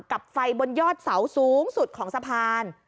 กับไฟบนยอดเสาสูงสุดของสะพาน